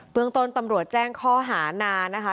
เมืองต้นตำรวจแจ้งข้อหานานนะคะ